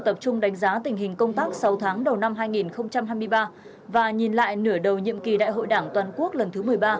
tập trung đánh giá tình hình công tác sáu tháng đầu năm hai nghìn hai mươi ba và nhìn lại nửa đầu nhiệm kỳ đại hội đảng toàn quốc lần thứ một mươi ba